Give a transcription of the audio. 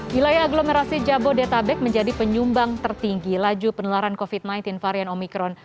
wilayah aglomerasi jabodetabek menjadi penyumbang tertinggi laju penularan covid sembilan belas varian omikron